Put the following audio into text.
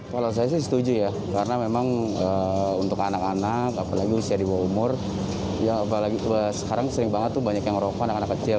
kalau saya sih setuju ya karena memang untuk anak anak apalagi usia di bawah umur ya apalagi sekarang sering banget tuh banyak yang rokok anak anak kecil